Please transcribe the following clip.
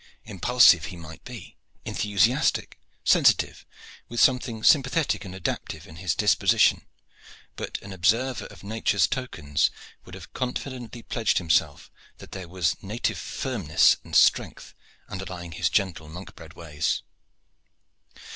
Impulsive he might be, enthusiastic, sensitive, with something sympathetic and adaptive in his disposition; but an observer of nature's tokens would have confidently pledged himself that there was native firmness and strength underlying his gentle, monk bred ways.